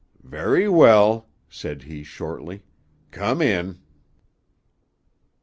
"Very well," said he shortly; "come in."